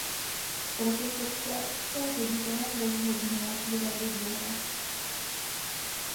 Profesor se se ředitelem rozhodnou vyrazit dveře.